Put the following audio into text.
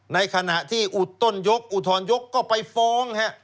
ในขณะที่อุทธรยกก็ไปฟ้องฮะ